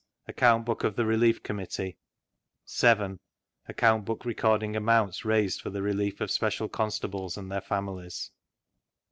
Account Book of tbe Relief Committee. 7. Account Book recording amounts raised for the relief of Special Constables and their families.